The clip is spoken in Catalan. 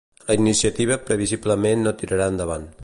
La iniciativa previsiblement no tirarà endavant.